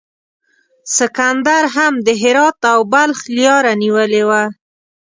سکندر هم د هرات او بلخ لیاره نیولې وه.